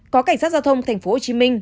có cảnh sát giao thông tp hcm